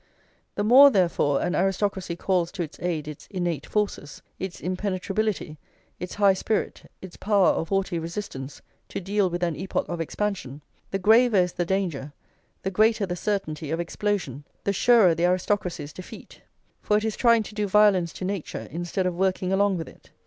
The more, therefore, an aristocracy calls to its aid its innate forces, its impenetrability, its high spirit, its power of haughty resistance, to deal with an epoch of expansion, the graver is the danger, the greater the certainty of explosion, the surer the aristocracy's defeat; for it is trying to do violence to nature instead of working along with it.